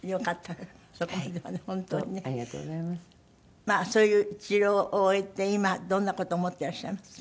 まあそういう治療を終えて今どんな事を思ってらっしゃいます？